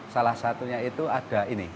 salah satunya itu ada ini